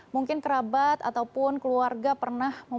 mungkin kerabat ataupun keluarga pernah